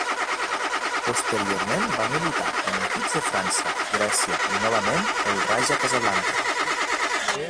Posteriorment va militar en equips de França, Grècia i novament el Raja Casablanca.